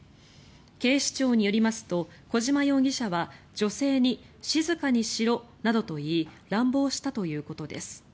警視庁によりますと小島容疑者は女性に静かにしろなどと言い乱暴したということです。